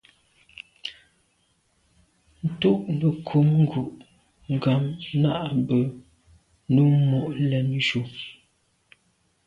Ntù’ nekum ngu’ gham nà à be num mo’ le’njù.